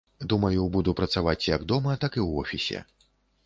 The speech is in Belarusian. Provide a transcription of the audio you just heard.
Думаю, буду працаваць як дома, так і ў офісе.